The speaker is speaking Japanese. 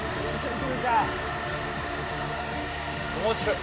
面白い。